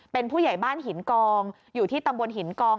เป็นผู้ใหญ่บ้านหินกองอยู่ที่ตำบลหินกอง